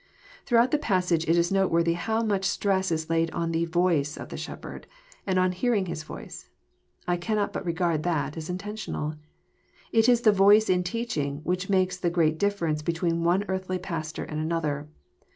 Throughout the passage it is noteworthy how much stress is laid on the "voice" of the shepherd, and on hearing his voice. I cannot but regard that as intentional. It is the *^ voice in teaching " which makes the great difference between one earthly pastor and another.